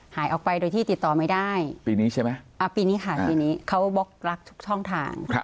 หายออกไปโดยที่ติดต่อไม่ได้ปีนี้ใช่ไหมปีนี้ค่ะปีนี้เขาบล็อกทุกช่องทาง